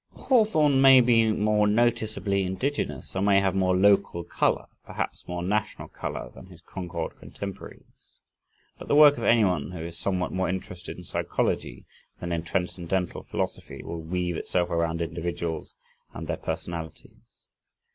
Hawthorne may be more noticeably indigenous or may have more local color, perhaps more national color than his Concord contemporaries. But the work of anyone who is somewhat more interested in psychology than in transcendental philosophy, will weave itself around individuals and their personalities.